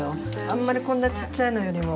あんまりこんなちっちゃいのよりも。